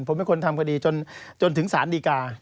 ผมเป็นคนทำคดีจนถึงสารดีกา